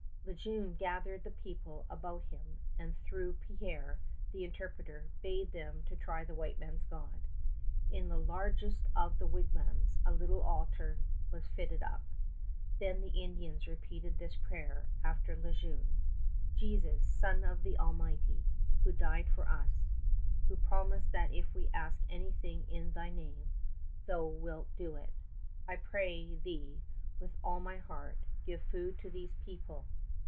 Le Jeune gathered the people about him and through Pierre, the interpreter, bade them try the white man's God. In the largest of the wigwams a little altar was fitted up. Then the Indians repeated this prayer after Le Jeune: Jesus, Son of the Almighty ... who died for us ... who promised that if we ask anything in Thy name, Thou wilt do it I pray Thee with all my heart, give food to these people